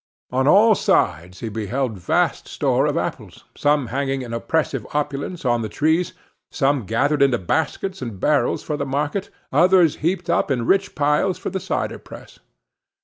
On all sides he beheld vast store of apples; some hanging in oppressive opulence on the trees; some gathered into baskets and barrels for the market; others heaped up in rich piles for the cider press.